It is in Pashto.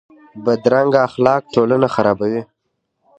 بدرنګه اخلاق ټولنه خرابوي